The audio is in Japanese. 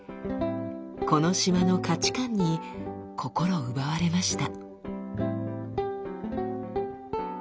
この島の価値観に心奪われました。